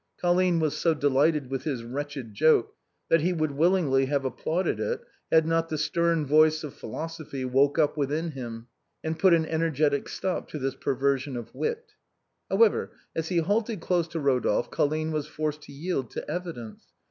Colline was so delighted with his wretched joke, that he would willingly have applauded it, had not the stern voice of philosophy woke up within him, and put an energetic stop to this perversion of wit. However, as he halted close to Rodolphe, Colline was forced to yield to evidence.